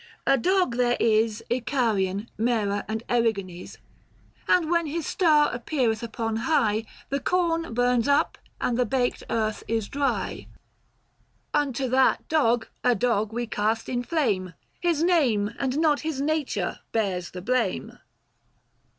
a dog there is Icarian, Msera and Erigone's, And when his star appeareth upon high, The corn burns up, and the baked earth is dry : 140 THE FASTI. Book IV. Unto that dog a dog we cast in flame — 1095 His name and not his nature bears the blame."